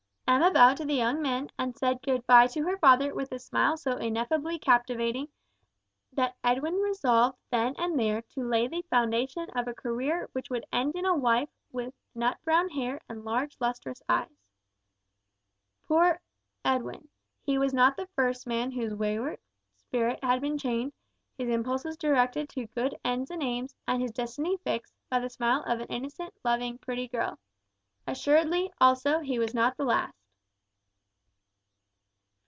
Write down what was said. Emma bowed to the young men, and said good bye to her father with a smile so ineffably captivating, that Edwin resolved then and there to lay the foundation of a career which would end in a wife with nut brown hair and large lustrous eyes. Poor Edwin! He was not the first man whose wayward spirit had been chained, his impulses directed to good ends and aims, and his destiny fixed, by the smile of an innocent, loving, pretty girl. Assuredly, also, he was not the last!